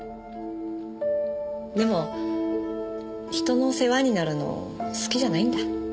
でも人の世話になるの好きじゃないんだ。